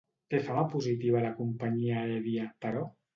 Té fama positiva la companyia aèria, però?